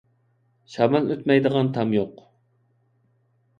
شامال ئۆتمەيدىغان تام يوق.